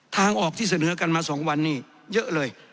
ทางออกที่เสนอกันมา๒วันนี้เยอะเลย